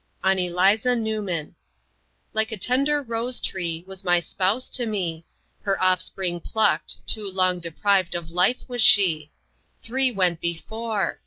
On Eliza Newman: "Like a tender Rose Tree was my Spouse to me; Her offspring Pluckt too long deprived of life was she. _Three went before.